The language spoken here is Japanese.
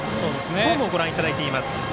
フォームをご覧いただいています。